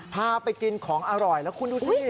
พาไปกินของอร่อยแล้วคุณดูสิ